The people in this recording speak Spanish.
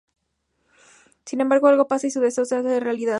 Sin embargo, algo pasa, y su deseo se hace realidad.